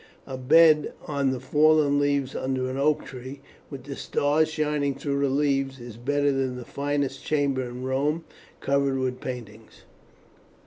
A bed on the fallen leaves under an oak tree, with the stars shining through the leaves, is better than the finest chamber in Rome covered with paintings."